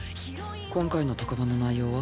今回の特番の内容は？